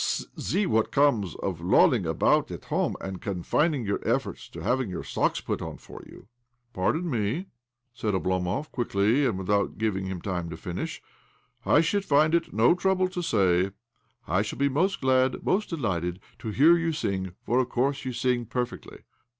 " See what comes of lolling about at home and confining your efforts to having your^ socks put on for you." '' Pardon me," said Oblomov quickly, and without giving him time to finish. '' I should find it no trouble to say :' I shall be most glad, most delighted, to hear you sing, for of course you sing perfectly.